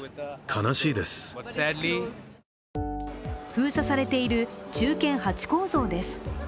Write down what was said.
封鎖されている忠犬ハチ公像です。